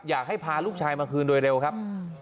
อยากให้พาลูกชายมาคืนโดยเร็วครับ